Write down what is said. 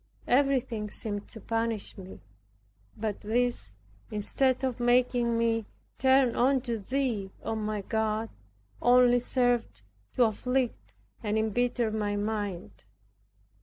Everything seemed to punish me, but this instead of making me turn unto Thee, O my God, only served to afflict and embitter my mind.